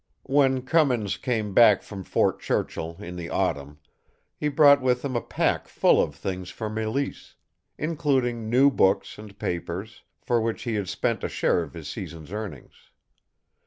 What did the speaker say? When Cummins came back from Fort Churchill in the autumn, he brought with him a pack full of things for Mélisse, including new books and papers, for which he had spent a share of his season's earnings.